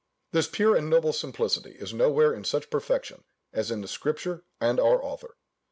This pure and noble simplicity is nowhere in such perfection as in the Scripture and our author.